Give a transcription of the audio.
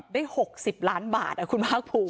ได้หกสิบล้านบาทอ่ะคุณภาคภูมิ